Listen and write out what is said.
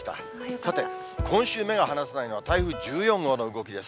さて、今週、目が離せないのは台風１４号の動きです。